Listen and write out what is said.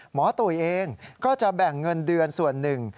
ตุ๋ยเองก็จะแบ่งเงินเดือนส่วนหนึ่ง